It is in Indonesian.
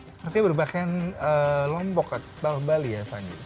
sepertinya berpakaian lombok bahwa bali ya fandi